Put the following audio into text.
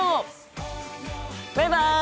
バイバイ！